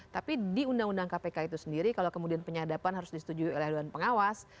tapi di undang undang kpk itu sendiri kalau kemudian penyadapan harus disetujui oleh dewan pengawas